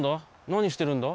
なにしてるんだ？